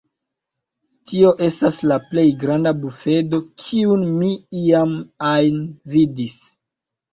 Tio estas la plej granda bufedo kiun mi iam ajn vidis.